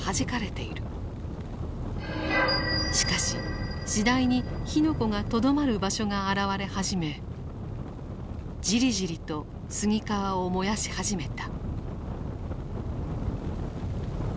しかし次第に火の粉がとどまる場所が現れ始めじりじりと杉皮を燃やし始めた。